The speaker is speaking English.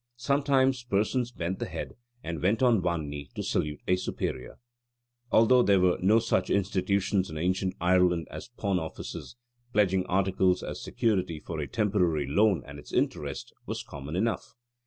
Sometimes persons bent the head and went on one knee to salute a superior. Although there were no such institutions in ancient Ireland as pawn offices, pledging articles as security for a temporary loan and its interest, was common enough.